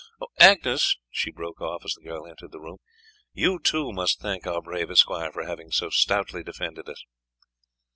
Agnes," she broke off as the girl entered the room, "you too must thank our brave esquire for having so stoutly defended us."